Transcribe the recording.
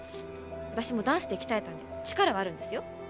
私もダンスで鍛えたんで力はあるんですよ。